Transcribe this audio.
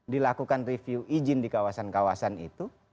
dilakukan review izin di kawasan kawasan itu